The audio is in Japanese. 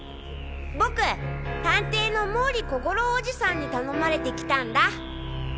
僕探偵の毛利小五郎オジさんに頼まれて来たんだ。